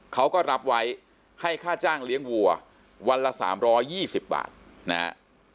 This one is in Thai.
เขาก็รับไว้ให้ค่าจ้างเลี้ยงวัววันละสามร้อยี่สิบบาทนะฮะ